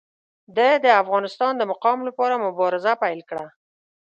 ده د افغانستان د مقام لپاره مبارزه پیل کړه.